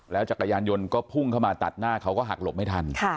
จักรยานยนต์ก็พุ่งเข้ามาตัดหน้าเขาก็หักหลบไม่ทัน